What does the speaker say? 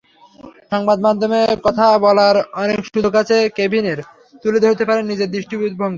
সংবাদমাধ্যমে কথা বলার অনেক সুযোগ আছে কেভিনের, তুলে ধরতে পারে নিজের দৃষ্টিভঙ্গি।